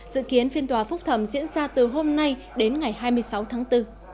dự kiến phiên tòa phúc thẩm diễn ra từ hôm nay đến ngày hai mươi sáu tháng bốn